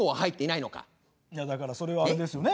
いやだからそれはあれですよね。